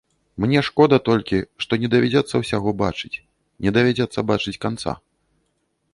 Мне шкода толькі, што не давядзецца ўсяго бачыць, не давядзецца бачыць канца.